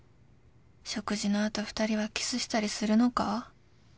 食事の後２人はキスしたりするのか？